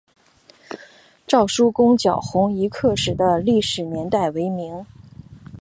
赵纾攻剿红夷刻石的历史年代为明。